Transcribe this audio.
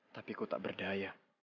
tapi ku tak berdaya